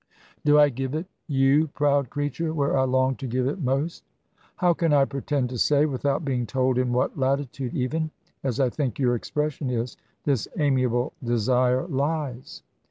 "Do I give it, you proud creature, where I long to give it most?" "How can I pretend to say, without being told in what latitude even as I think your expression is this amiable desire lies?"